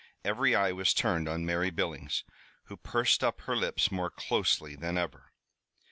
Every eye was turned on Mary Billings, who pursed up her lips more closely than ever.